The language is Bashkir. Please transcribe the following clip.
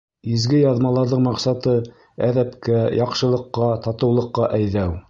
Изге яҙмаларҙың маҡсаты — әҙәпкә, яҡшылыҡҡа, татыулыҡҡа әйҙәү.